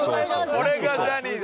これがジャニーズ！